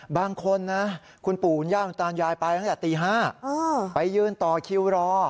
บางคนนะคุณปู่คุณย่าคุณตายายไปตั้งแต่ตี๕ไปยืนต่อคิวรอ